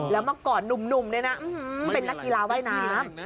แล้วเมื่อก่อนหนุ่มเนี่ยนะเป็นนักกีฬาว่ายน้ำ